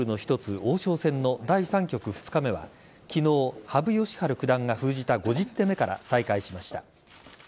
王将戦の第３局２日目は昨日、羽生善治九段が封じた５０手目から再開しました。